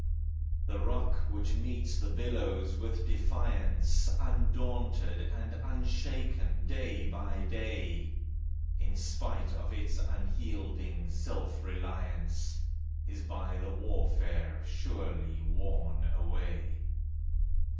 The rock which meets the billows with defiance, Undaunted and unshaken day by day, In spite of its unyielding self reliance, Is by the warfare surely worn away.